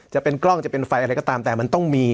จะเป็นกล้องจะเป็นไฟอะไรก็ตามแต่มันต้องมี